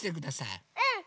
うん！